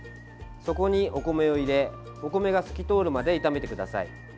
そこにお米を入れ、お米が透き通るまで炒めてください。